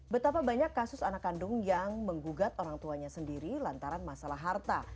betapa banyak kasus anak kandung yang menggugat orang tuanya sendiri lantaran masalah harta